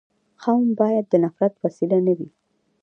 قوم باید د نفرت وسیله نه وي.